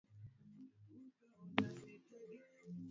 Hata hivyo biashara hiyo haramu iliendelea kwa miaka kadhaa